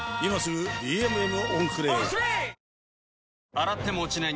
洗っても落ちない